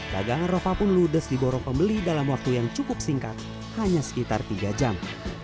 dagangan rofa pun ludes di borong pembeli dalam waktu yang cukup singkat hanya sekitar tiga jam